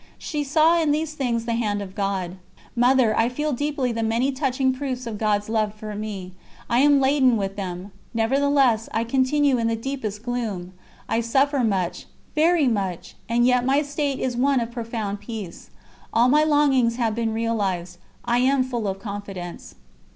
She saw in these things the Hand of God. "Mother, I feel deeply the many touching proofs of God's Love for me. I am laden with them ... nevertheless, I continue in the deepest gloom! ... I suffer much ... very much! and yet my state is one of profound peace. All my longings have been realised ... I am full of confidence."